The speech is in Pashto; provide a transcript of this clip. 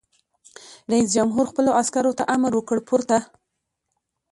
رئیس جمهور خپلو عسکرو ته امر وکړ؛ پورته!